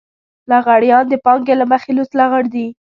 لغړيان د پانګې له مخې لوڅ لغړ دي.